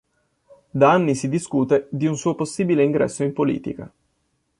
Da anni si discute di un suo possibile ingresso in politica.